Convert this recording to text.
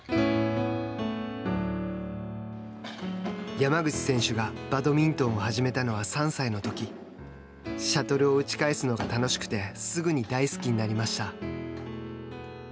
山口選手がバドミントンを始めたのは３歳のときシャトルを打ち返すのが楽しくてすぐに大好きになりました。